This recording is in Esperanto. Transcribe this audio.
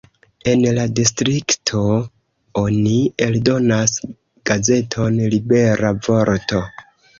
En la distrikto oni eldonas gazeton "Libera vorto".